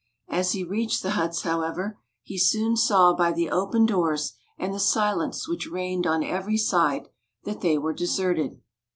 As he reached the huts, however, he soon saw by the open doors and the silence which reigned on every side, that they were deserted.